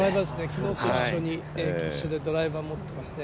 昨日の一緒でドライバー、持っていますね。